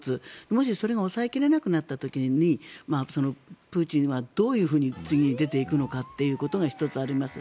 もし、それが押さえ切れなくなった時にプーチンはどういうふうに次に出ていくのかということが１つあります。